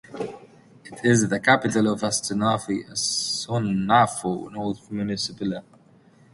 It is the capital of Asunafo North municipal.